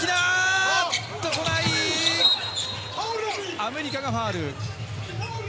アメリカがファウル。